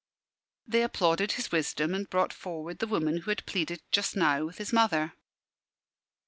They applauded his wisdom and brought forward the woman who had pleaded just now with his mother.